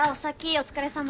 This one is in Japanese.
お疲れさま。